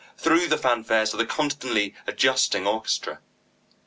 through the fanfares of the constantly adjusting orchestra.